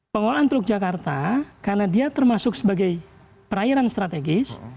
pengolahan teluk jakarta karena dia termasuk sebagai perairan strategis